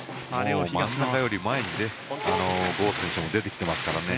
真ん中より前にゴー選手も出てきていますからね。